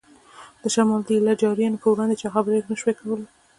د شمال د ایله جاریانو په وړاندې چا خبرې نه شوای کولای.